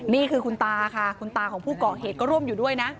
นี่คือคุณตาค่ะคุณตาของผู้เกาะเหตุก็ร่วมอยู่ด้วยนะ